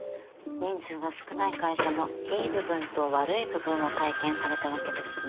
人数が少ない会社のいい部分と悪い部分を体験されたわけですね。